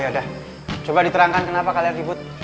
yaudah coba diterangkan kenapa kalian ribut